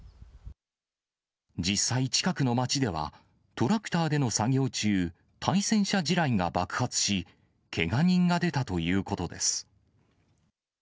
実際、近くの町ではトラクターでの作業中、対戦車地雷が爆発し、けが人が出たということです。